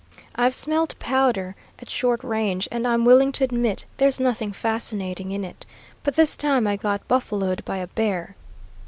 I've smelt powder at short range, and I'm willing to admit there's nothing fascinating in it. But this time I got buffaloed by a bear.